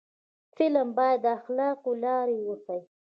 فلم باید د اخلاقو لار وښيي